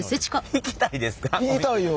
引きたいよ